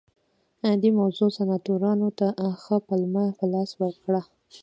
دې موضوع سناتورانو ته ښه پلمه په لاس ورکړه